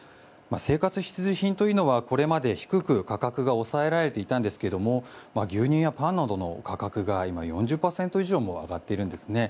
生活必需品というのはこれまで低く価格が抑えられていたんですが牛乳やパンなどの価格が今、４０％以上も上がっているんです。